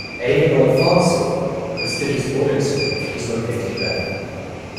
Avon Old Farms School, a prestigious boarding school, is located there.